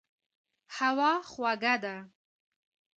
هوا خوږه ده.